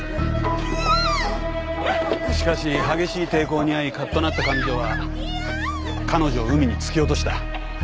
嫌！しかし激しい抵抗に遭いカッとなった上条は彼女を海に突き落とした。